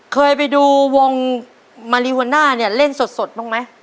เคยไปดูวงมาริวาน่าเนี่ยเล่นสดบ้างไหม